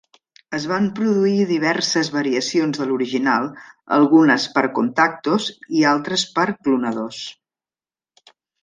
Es van produir diverses variacions de l'original, algunes per Contactos, i altres per clonadors.